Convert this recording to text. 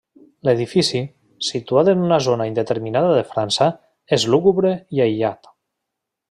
L'edifici, situat en una zona indeterminada de França, és lúgubre i aïllat.